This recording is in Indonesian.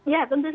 ya tentu saja